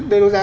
đây đấu giá